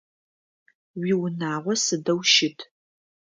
Уиунагъо сыдэу щыт?